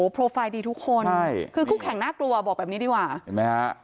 โอ้โหโปรไฟล์ดีทุกคนคือคู่แข่งน่ากลัวบอกแบบนี้ดีกว่า